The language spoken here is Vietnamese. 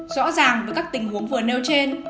rõ ràng với các tình huống vừa nêu trên